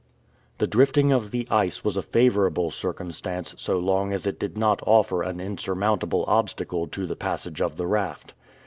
The drifting of the ice was a favorable circumstance so long as it did not offer an insurmountable obstacle to the passage of the raft.